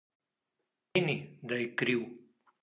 To ne pomeni, da je kriv.